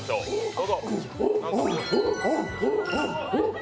どうぞ。